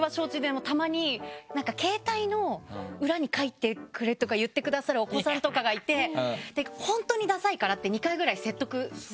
たまに携帯の裏に書いてくれとか言ってくださるお子さんとかがいて「本当にダサいから」って２回ぐらい説得するんだけど書いて。